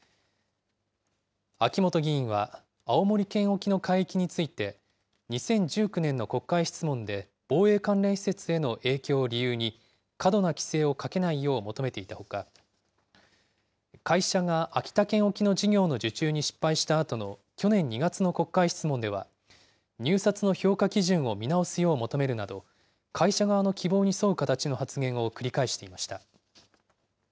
秋本議員は青森県沖の海域について、２０１９年の国会質問で、防衛関連施設への影響を理由に、過度な規制をかけないよう求めていたほか、会社が秋田県沖の事業の受注に失敗したあとの去年２月の国会質問では、入札の評価基準を見直すよう求めるなど、会社側の希望に沿う形の発言を繰り返していました。